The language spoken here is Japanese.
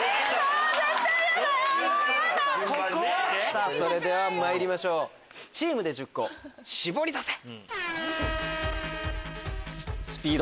さぁそれではまいりましょうチームで１０個シボリダセ。